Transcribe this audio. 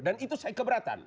dan itu saya keberatan